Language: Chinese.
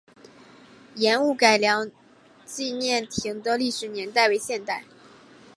盐务改良纪念亭的历史年代为现代。